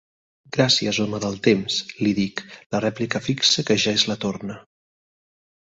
Gràcies, home del temps —li dic, la rèplica fixa que ja és la torna.